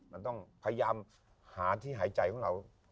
มันต้องพยายามหาที่หายใจของเรา